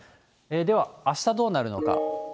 ではあしたどうなるのか。